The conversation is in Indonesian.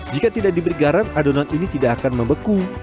jika tidak diberi garam adonan ini tidak akan membeku